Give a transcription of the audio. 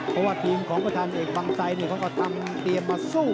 เพราะว่าทีมของประธานเอกบังไสเขาก็ทำเตรียมมาสู้